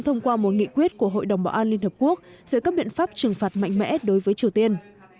thông qua một nghị quyết của hội đồng bảo an liên hợp quốc về các biện pháp trừng phạt mạnh mẽ đối với triều tiên